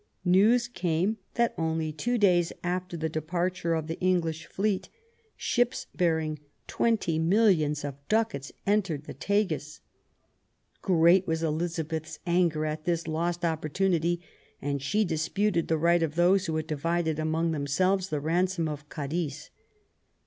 News came that only two days after the departure of the English fleet, ships bearing twenty millions of ducats entered the Tagus. Great was Elizabeth's anger at this lost opportunity, and she disputed the right of those who had divided THE NEW ENGLAND. 275 among themselves the ransom of Cadiz.